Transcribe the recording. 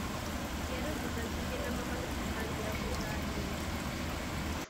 Yaravuze ati jye na mama tugitangira kuganira